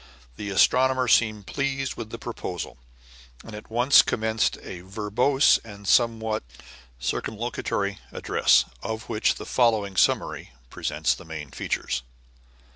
The astronomer seemed pleased with the proposal, and at once commenced a verbose and somewhat circumlocutory address, of which the following summary presents the main features.